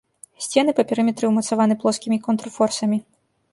Сцены па перыметры ўмацаваны плоскімі контрфорсамі.